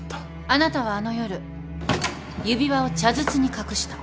あなたはあの夜指輪を茶筒に隠した。